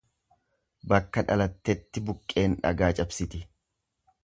Bakka dhalattetti buqqeen dhagaa cabsiti.